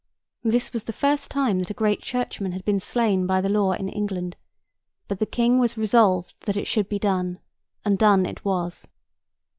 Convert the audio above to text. This was the first time that a great churchman had been slain by the law in England; but the King was resolved that it should be done, and done it was.